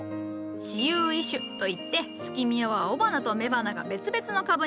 雌雄異株といってスキミアは雄花と雌花が別々の株に咲く。